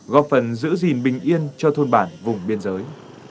góp phần giữ gìn bình yên cho thôn bản vùng biên giới